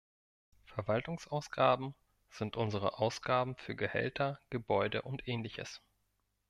Verwaltungsausgaben sind unsere Ausgaben für Gehälter, Gebäude und Ähnliches.